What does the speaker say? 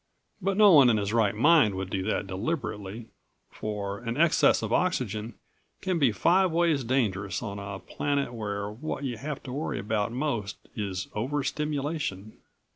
But no one in his right mind would do that deliberately, for an excess of oxygen can be five ways dangerous on a planet where what you have to worry about most is over stimulation.